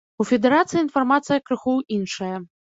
У федэрацыі інфармацыя крыху іншая.